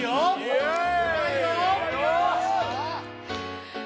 イエーイ！